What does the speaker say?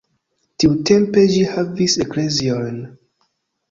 Tiutempe ĝi havis eklezion.